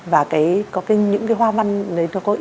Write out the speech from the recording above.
và có những hoa văn có ý nghĩa về sản phẩm